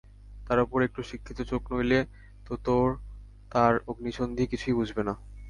তার উপর একটু শিক্ষিত চোখ নইলে তো তার অগ্নি-সন্ধি কিছুই বুঝবে না।